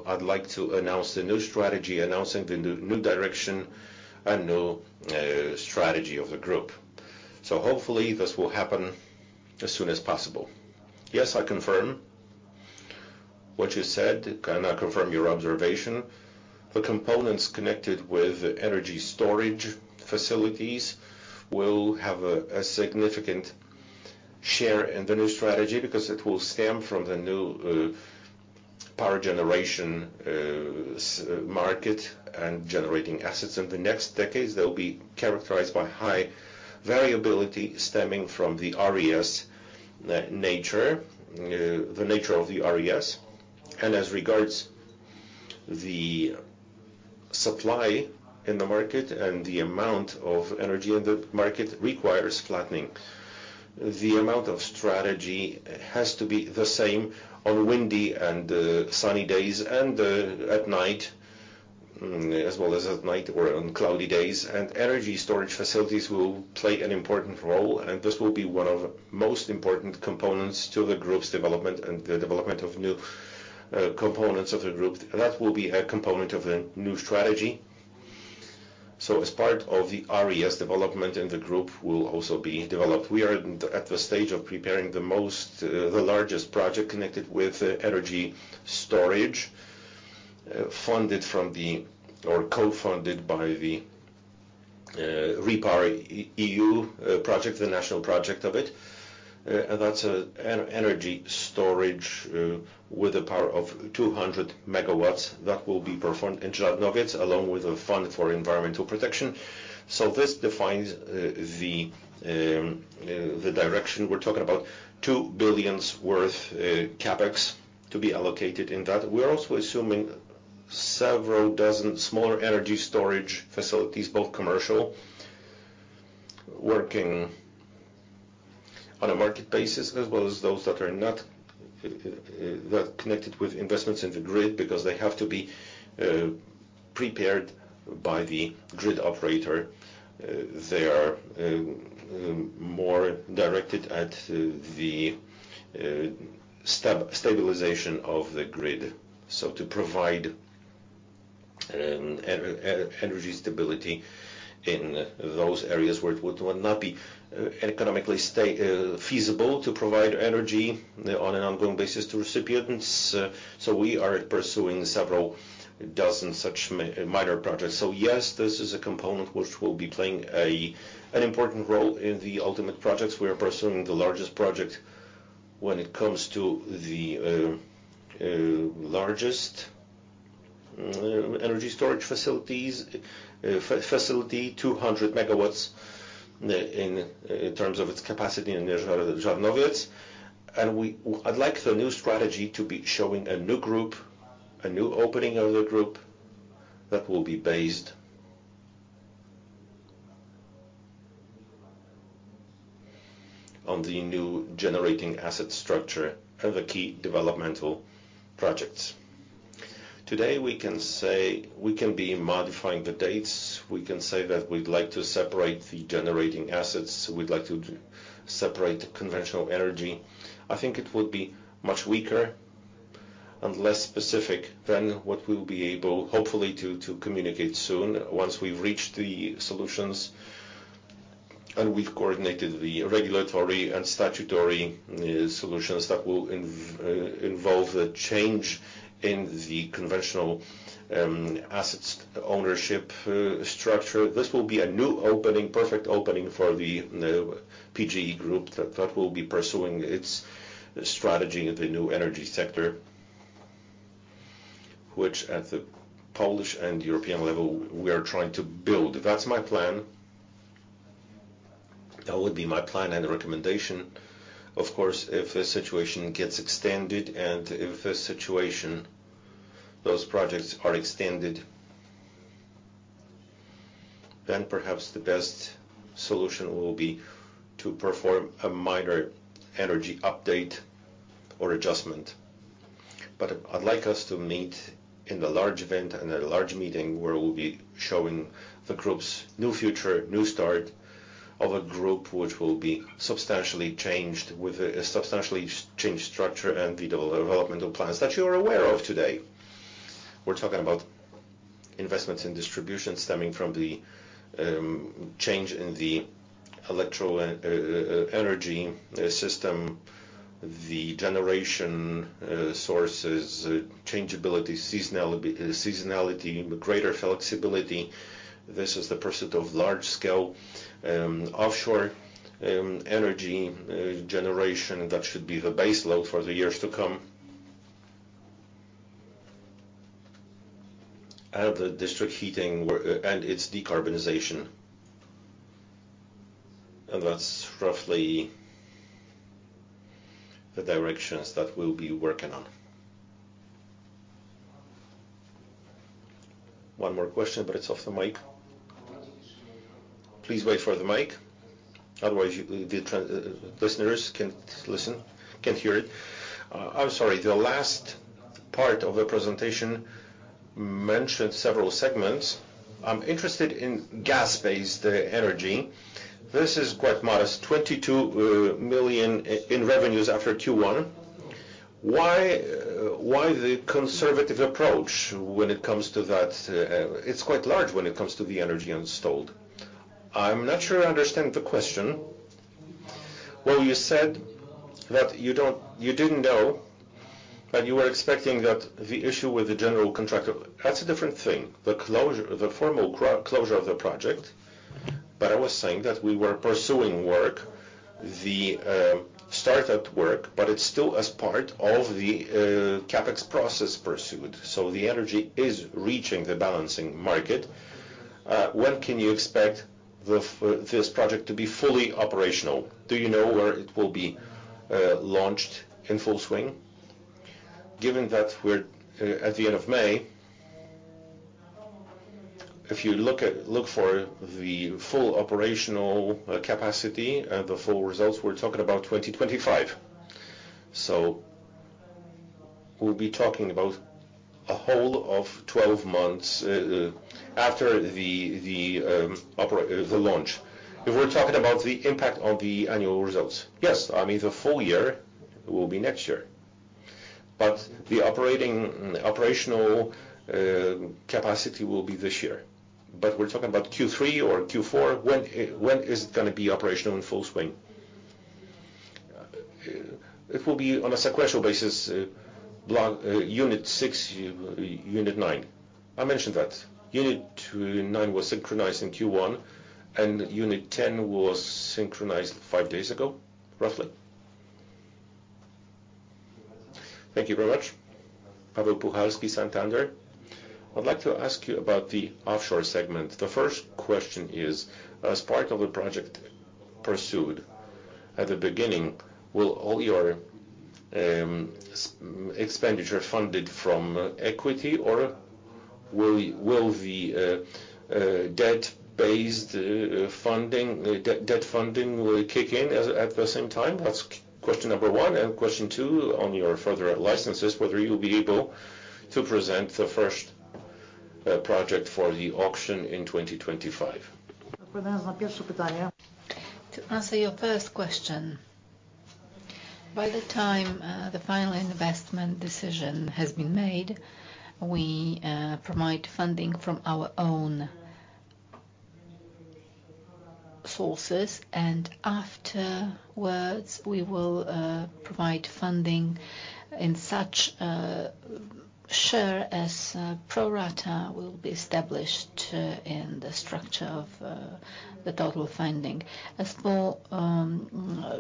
I'd like to announce the new strategy, announcing the new, new direction and new strategy of the group. So hopefully, this will happen as soon as possible. Yes, I confirm what you said, and I confirm your observation. The components connected with energy storage facilities will have a significant share in the new strategy because it will stem from the new power generation market and generating assets. In the next decades, they'll be characterized by high variability stemming from the RES nature, the nature of the RES. As regards the supply in the market and the amount of energy in the market requires flattening. The amount of strategy has to be the same on windy and sunny days, and at night, as well as at night or on cloudy days. Energy storage facilities will play an important role, and this will be one of the most important components to the group's development and the development of new components of the group. That will be a component of the new strategy. So as part of the RES development, and the group will also be developed. We are at the stage of preparing the most, the largest project connected with energy storage, funded from the... or co-funded by the REPowerEU project, the national project of it. That's energy storage with a power of 200 MW that will be performed in Żarnowiec, along with a fund for environmental protection. So this defines the direction. We're talking about 2 billion worth of CapEx to be allocated in that. We are also assuming several dozen smaller energy storage facilities, both commercial, working on a market basis, as well as those that are not connected with investments in the grid, because they have to be prepared by the grid operator. They are more directed at the stabilization of the grid, so to provide energy stability in those areas where it would not be economically feasible to provide energy on an ongoing basis to recipients. So we are pursuing several dozen such minor projects. So yes, this is a component which will be playing a, an important role in the ultimate projects. We are pursuing the largest project when it comes to the largest energy storage facility, 200 MW, in terms of its capacity in Żarnowiec. And I'd like the new strategy to be showing a new group, a new opening of the group, that will be based on the new generating asset structure and the key developmental projects. Today, we can say we can be modifying the dates. We can say that we'd like to separate the generating assets, we'd like to separate conventional energy. I think it would be much weaker and less specific than what we'll be able, hopefully, to communicate soon, once we've reached the solutions and we've coordinated the regulatory and statutory solutions that will involve a change in the conventional assets ownership structure. This will be a new opening, perfect opening for the PGE Group that will be pursuing its strategy in the new energy sector, which at the Polish and European level, we are trying to build. That's my plan. That would be my plan and recommendation. Of course, if the situation gets extended, and if the situation, those projects are extended, then perhaps the best solution will be to perform a minor energy update or adjustment. But I'd like us to meet in the large event and a large meeting where we'll be showing the group's new future, new start of a group which will be substantially changed, with a substantially changed structure and the developmental plans that you're aware of today. We're talking about investments in distribution stemming from the change in the electric energy system, the generation sources, changeability, seasonality, greater flexibility. This is the pursuit of large scale offshore energy generation that should be the base load for the years to come. And the district heating where and its decarbonization. And that's roughly the directions that we'll be working on. One more question, but it's off the mic. Please wait for the mic, otherwise, you, the listeners can't listen, can't hear it. I'm sorry. The last part of the presentation mentioned several segments. I'm interested in gas-based energy. This is quite modest, 22 million in revenues after Q1. Why, why the conservative approach when it comes to that? It's quite large when it comes to the energy installed. I'm not sure I understand the question. Well, you said that you don't, you didn't know, but you were expecting that the issue with the general contractor. That's a different thing, the closure, the formal closure of the project. But I was saying that we were pursuing work, the start-up work, but it's still as part of the CapEx process pursued, so the energy is reaching the balancing market. When can you expect this project to be fully operational? Do you know where it will be launched in full swing? Given that we're at the end of May, if you look for the full operational capacity and the full results, we're talking about 2025. So we'll be talking about a whole of 12 months after the launch. If we're talking about the impact on the annual results? Yes. I mean, the full year will be next year, but the operational capacity will be this year. But we're talking about Q3 or Q4. When is it gonna be operational in full swing? It will be on a sequential basis, block Unit 6, Unit 9. I mentioned that. Unit 9 was synchronized in Q1, and Unit 10 was synchronized five days ago, roughly. Thank you very much. Paweł Puchalski, Santander. I'd like to ask you about the offshore segment. The first question is, as part of the project pursued at the beginning, will all your expenditure funded from equity, or will the debt-based funding, debt funding kick in at the same time? That's question number one. Question two, on your further licenses, whether you'll be able to present the first project for the auction in 2025. To answer your first question, by the time the final investment decision has been made, we provide funding from our own sources, and afterwards, we will provide funding in such share as pro rata will be established in the structure of the total funding. As for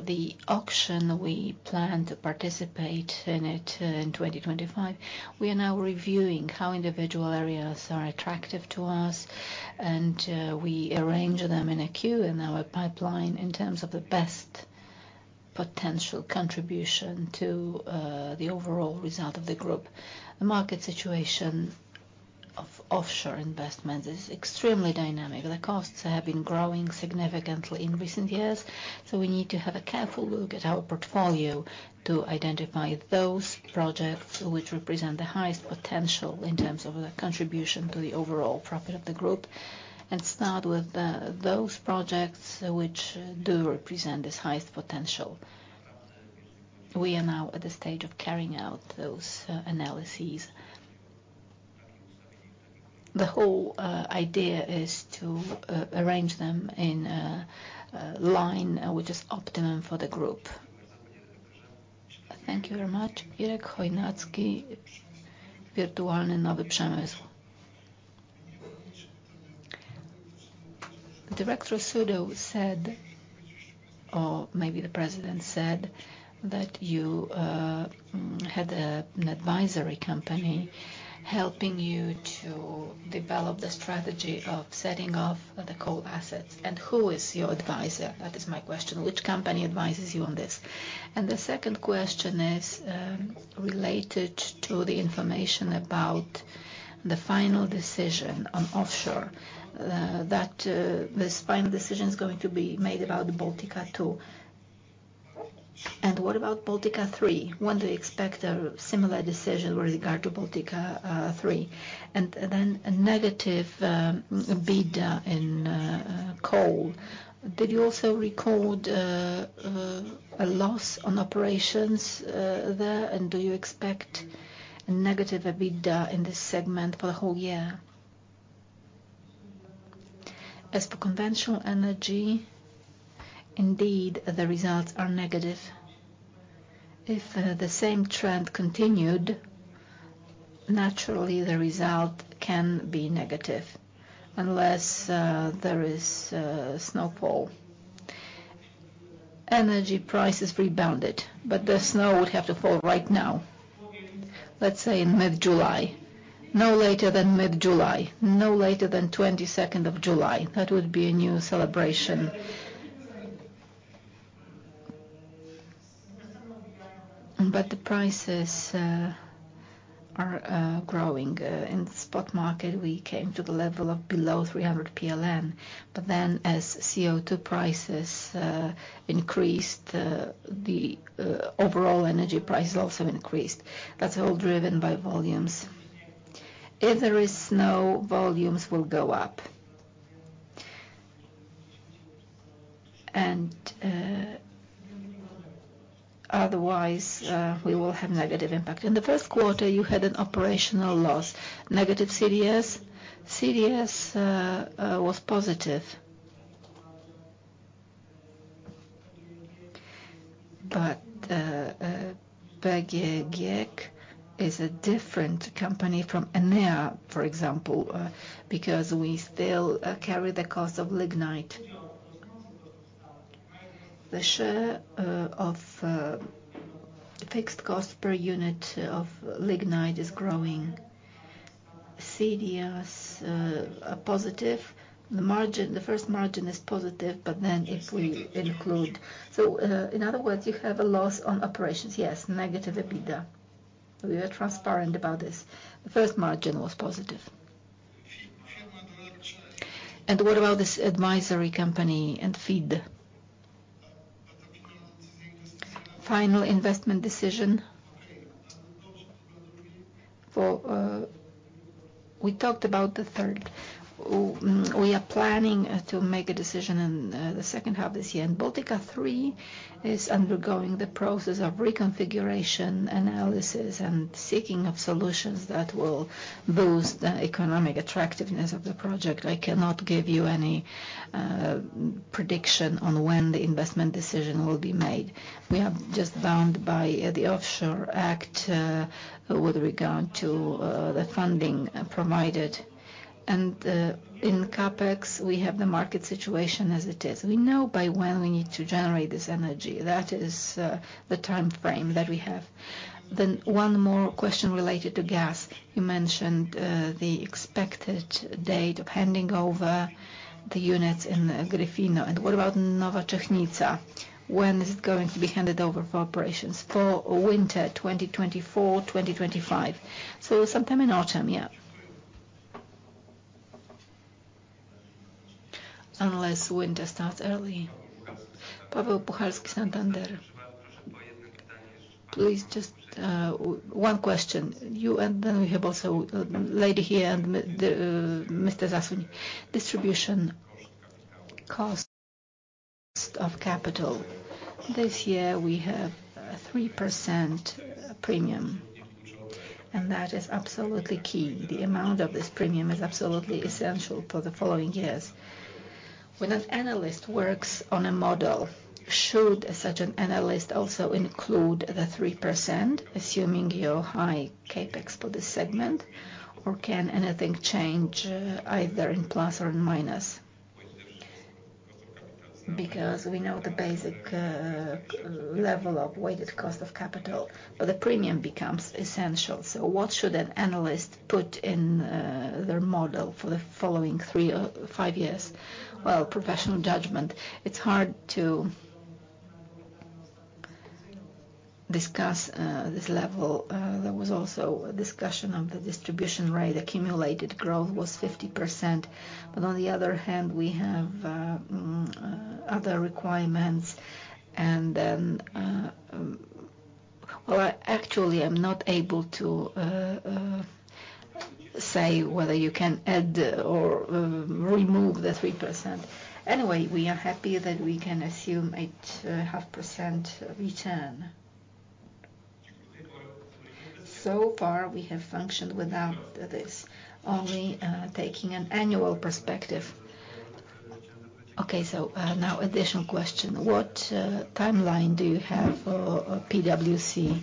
the auction, we plan to participate in it in 2025. We are now reviewing how individual areas are attractive to us, and we arrange them in a queue in our pipeline in terms of the best potential contribution to the overall result of the group. The market situation of offshore investments is extremely dynamic. The costs have been growing significantly in recent years, so we need to have a careful look at our portfolio to identify those projects which represent the highest potential in terms of the contribution to the overall profit of the group, and start with those projects which do represent this highest potential. We are now at the stage of carrying out those analyses. The whole idea is to arrange them in a line which is optimum for the group. Thank you very much. Irek Chojnacki, Wirtualny Nowy Przemysł. Director Sudoł said, or maybe the president said, that you had a an advisory company helping you to develop the strategy of setting off the coal assets. And who is your advisor? That is my question. Which company advises you on this? The second question is related to the information about the final decision on offshore, that this final decision is going to be made about Baltica 2. And what about Baltica 3? When do you expect a similar decision with regard to Baltica 3? And then a negative EBITDA in coal, did you also record a loss on operations there? And do you expect a negative EBITDA in this segment for the whole year? As for conventional energy, indeed, the results are negative. If the same trend continued, naturally, the result can be negative unless there is snowfall. Energy prices rebounded, but the snow would have to fall right now, let's say, in mid-July, no later than mid-July, No later than 22nd of July. That would be a new celebration. But the prices are growing. In the spot market, we came to the level of below 300 PLN, but then, as CO2 prices increased, the overall energy price also increased. That's all driven by volumes. If there is snow, volumes will go up. And otherwise, we will have negative impact. In the first quarter, you had an operational loss, negative CDS? CDS was positive. But PGE GiEK is a different company from Enea, for example, because we still carry the cost of lignite. The share of fixed cost per unit of lignite is growing. CDS are positive. The margin, the first margin is positive, but then if we include. So, in other words, you have a loss on operations? Yes, negative EBITDA. We are transparent about this. The first margin was positive. And what about this advisory company and FID? Final investment decision? For, we talked about the third. We are planning to make a decision in the second half this year. And Baltica 3 is undergoing the process of reconfiguration analysis and seeking of solutions that will boost the economic attractiveness of the project. I cannot give you any prediction on when the investment decision will be made. We are just bound by the Offshore Act with regard to the funding provided. And in CapEx, we have the market situation as it is. We know by when we need to generate this energy. That is the timeframe that we have. Then one more question related to gas. You mentioned the expected date of handing over the units in Gryfino. What about Nowa Czechnica? When is it going to be handed over for operations? For winter 2024, 2025. So sometime in autumn. Yeah. Unless winter starts early. Paweł Puchalski, Santander. Please, just one question. You, and then we have also a lady here and Mr. Zasuń. Distribution cost of capital. This year, we have a 3% premium, and that is absolutely key. The amount of this premium is absolutely essential for the following years. When an analyst works on a model, should such an analyst also include the 3%, assuming your high CapEx for this segment, or can anything change either in plus or in minus? Because we know the basic level of weighted cost of capital, but the premium becomes essential. So what should an analyst put in their model for the following three or five years? Well, professional judgment, it's hard to discuss this level. There was also a discussion on the distribution rate. Accumulated growth was 50%. But on the other hand, we have other requirements. Well, actually, I'm not able to say whether you can add or remove the 3%. Anyway, we are happy that we can assume 8.5% return. So far, we have functioned without this, only taking an annual perspective. Okay, so, now additional question: What timeline do you have for PwC,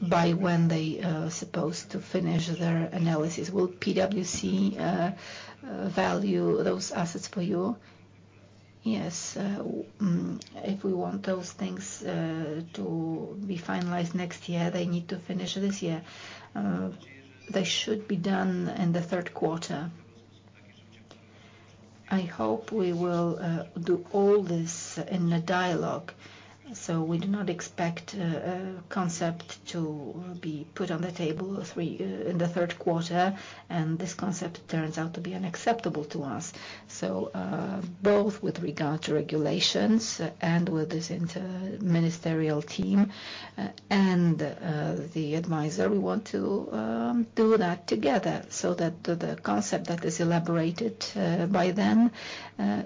by when they supposed to finish their analysis? Will PwC value those assets for you? Yes, if we want those things to be finalized next year, they need to finish this year. They should be done in the third quarter. I hope we will do all this in a dialogue, so we do not expect concept to be put on the table in the third quarter, and this concept turns out to be unacceptable to us. So, both with regard to regulations and with this interministerial team, and the advisor, we want to do that together so that the concept that is elaborated by then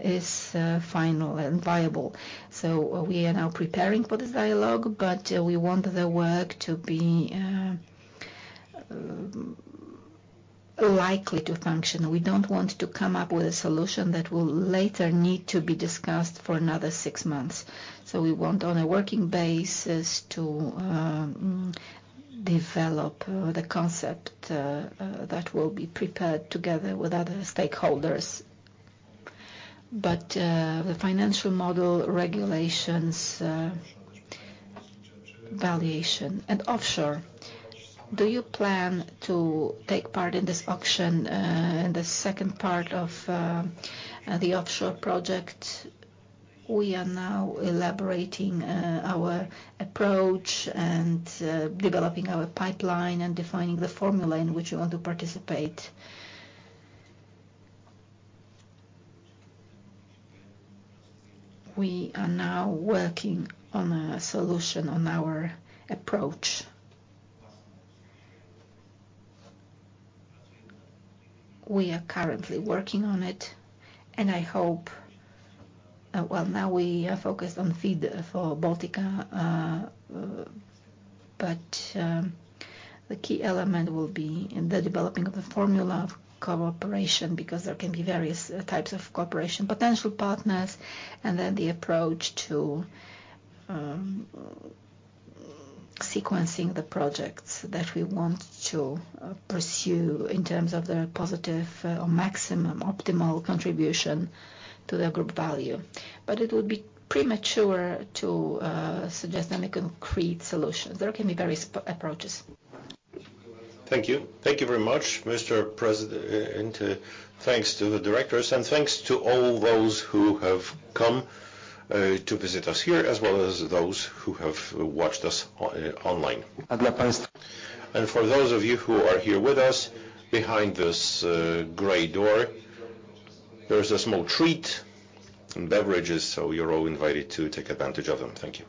is final and viable. So we are now preparing for this dialogue, but we want the work to be likely to function. We don't want to come up with a solution that will later need to be discussed for another six months. So we want, on a working basis, to develop the concept that will be prepared together with other stakeholders. The financial model regulations, valuation and offshore, do you plan to take part in this auction, in the second part of, the offshore project? We are now elaborating our approach and developing our pipeline and defining the formula in which we want to participate. We are now working on a solution on our approach. We are currently working on it, and I hope... Well, now we are focused on FID for Baltica. But the key element will be in the developing of the formula of cooperation, because there can be various types of cooperation, potential partners, and then the approach to sequencing the projects that we want to pursue in terms of their positive or maximum optimal contribution to the group value. But it would be premature to suggest any concrete solutions. There can be various approaches. Thank you. Thank you very much, Mr. President, and thanks to the directors, and thanks to all those who have come to visit us here, as well as those who have watched us online. And for those of you who are here with us, behind this gray door, there is a small treat and beverages, so you're all invited to take advantage of them. Thank you.